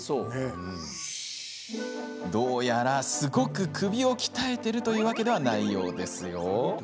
どうやら、すごく首を鍛えてるというわけではないようですよ。